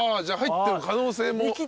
じゃあ入ってる可能性も。